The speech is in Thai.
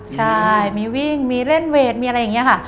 ใช่มีวิ่งมีเล่นเวทมีอะไรอย่างนี้ค่ะ